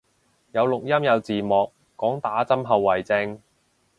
有錄音有字幕，講打針後遺症